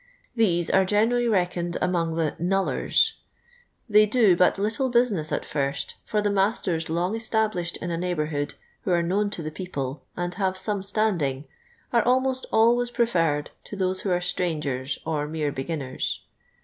These are generally reckoned aunng the " knullcrs ;" they do but little business at tirst, fur the nuisters long established in a neigiibourhood, who aro known to the people, and iiave some st«induig, are almost always preferred to those wiio are strangers or mere bitginnera.